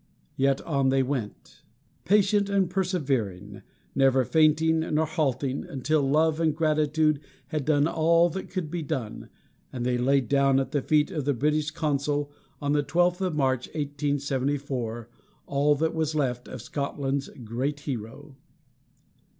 Yet on they went, patient and persevering, never fainting nor halting, until love and gratitude had done all that could be done, and they laid down at the feet of the British consul, on the twelfth of March, 1874, all that was left of Scotland's great hero.